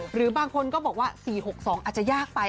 หรือบางคนก็บอกว่า๔๖๒อาจจะยากไป